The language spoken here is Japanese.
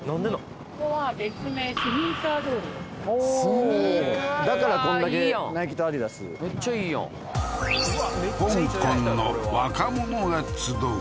ここは別名おおーだからこんだけナイキとアディダスめっちゃいいやん香港の若者が集う